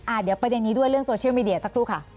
เดี๋ยวประเด็นนี้ด้วยเรื่องโซเชียลมีเดียสักครู่ค่ะ